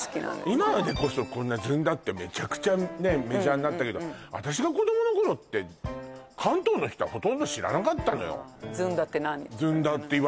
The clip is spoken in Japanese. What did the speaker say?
今でこそこんなずんだってメチャクチャねメジャーになったけど私が子供の頃って関東の人はほとんど知らなかったのよずんだって何？